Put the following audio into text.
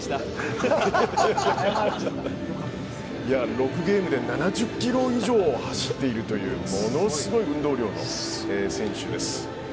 ６ゲームで７０ｋｍ以上走っているというものすごい運動量の選手です。